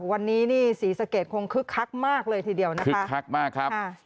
วันนี้นี่ศรีสะเกดคงคึกคักมากเลยทีเดียวนะคะคึกคักมากครับ